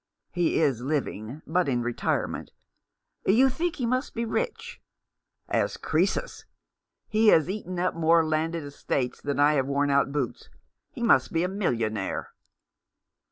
" He is living, but in retirement. You think he must be rich ?"" As Crcesus ! He has eaten up more landed estates than I have worn out boots. He must be a millionaire."